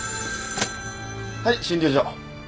はい診療所。